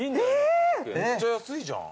めっちゃ安いじゃん。